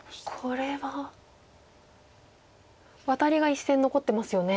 これはワタリが１線残ってますよね。